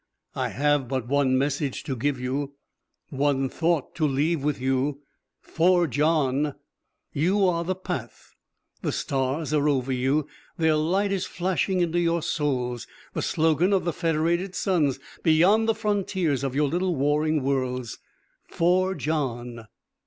I have but one message to give you, one thought to leave with you forge on! You are on the path, the stars are over you, their light is flashing into your souls the slogan of the Federated Suns beyond the frontiers of your little warring worlds. Forge on!"